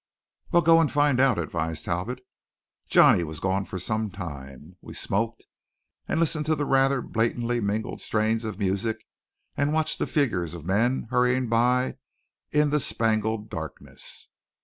"Well, go find out," advised Talbot. Johnny was gone for some time. We smoked and listened to the rather blatantly mingled strains of music, and watched the figures of men hurrying by in the spangled darkness.